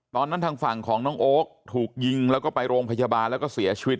ทางฝั่งของน้องโอ๊คถูกยิงแล้วก็ไปโรงพยาบาลแล้วก็เสียชีวิต